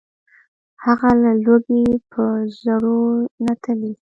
هغه له لوږي په زړو نتلي